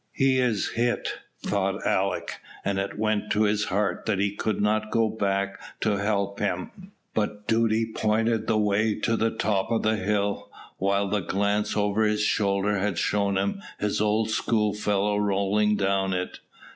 "He is hit," thought Alick, and it went to his heart that he could not go back to help him; but duty pointed the way to the top of the hill, while the glance over his shoulder had shown him his old schoolfellow rolling down it.